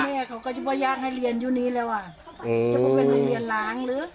พ่อแม่เขาก็จะบ่ยากให้เรียนอยู่นี้แล้วอ่ะจะเป็นโรงเรียนหลังหรือ